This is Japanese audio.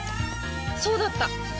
そうだった！